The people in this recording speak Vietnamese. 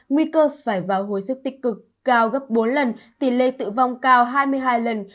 nguy cơ phải vào hồi sức tích cực cao gấp bốn lần tỷ lệ tử vong cao hai mươi hai lần